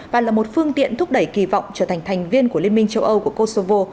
và là một phương tiện thúc đẩy kỳ vọng trở thành thành viên của liên minh châu âu của kosovo